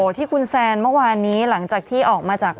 ที่คุณแซนเมื่อวานนี้หลังจากที่ออกมาจาก